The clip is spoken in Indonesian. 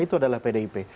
itu adalah pdip